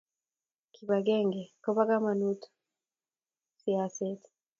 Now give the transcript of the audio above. kipagenge ko po kamanut mau sasishet